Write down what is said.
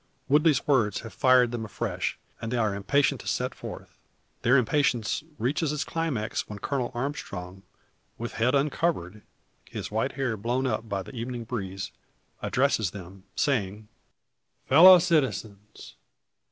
Woodley's words have fired them afresh, and they are impatient to set forth. Their impatience reaches its climax, when Colonel Armstrong, with head uncovered, his white hair blown up by the evening breeze, addresses them, saying: "Fellow citizens!